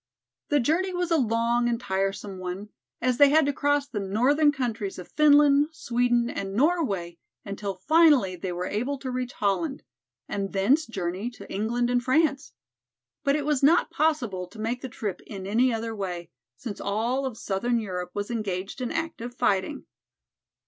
The journey was a long and tiresome one, as they had to cross the northern countries of Finland, Sweden and Norway until finally they were able to reach Holland, and thence journey to England and France. But it was not possible to make the trip in any other way, since all of southern Europe was engaged in active fighting.